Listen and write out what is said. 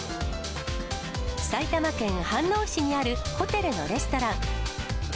埼玉県飯能市にあるホテルのレストラン。